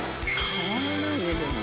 変わらないねでもね。